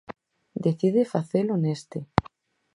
Decide facelo neste.